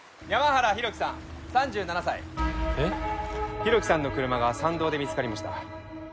浩喜さんの車が山道で見つかりました。